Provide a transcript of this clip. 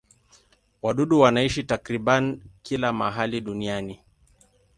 Wadudu wanaishi takriban kila mahali duniani.